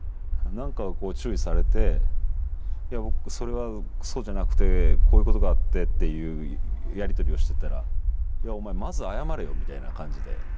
何かこう注意されてそれはそうじゃなくてこういうことがあってっていうやり取りをしてたらいやお前まず謝れよみたいな感じで。